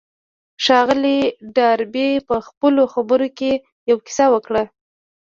ښاغلي ډاربي په خپلو خبرو کې يوه کيسه وکړه.